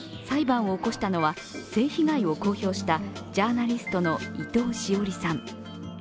裁判を起こしたのは、性被害を公表したジャーナリストの伊藤詩織さん。